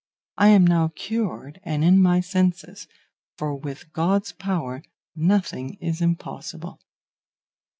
I am now cured and in my senses, for with God's power nothing is impossible.